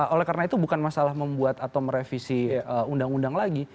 oleh karena itu bukan masalah membuat atau merevisi undang undang lagi